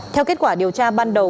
theo kết quả điều tra ban đầu